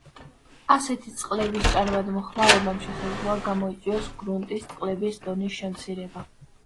ასეთი წყლების ჭარბად მოხმარებამ შესაძლოა გამოიწვიოს გრუნტის წყლების დონის შემცირება.